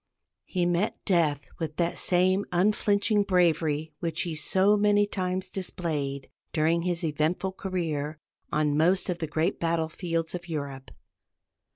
He met death with that same unflinching bravery which he so many times displayed, during his eventful career, on most of the great battle fields of Europe.